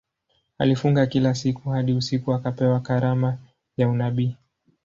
Alifunga kila siku hadi usiku akapewa karama ya unabii.